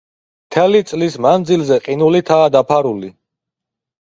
მთელი წლის მანძილზე ყინულითაა დაფარული.